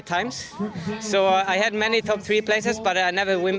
jadi saya memiliki banyak tempat teratas tapi saya tidak pernah menang